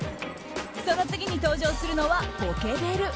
その次に登場するのはポケベル。